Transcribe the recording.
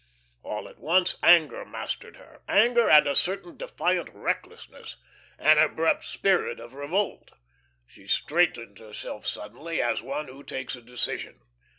All at once anger mastered her anger and a certain defiant recklessness, an abrupt spirit of revolt. She straightened herself suddenly, as one who takes a decision.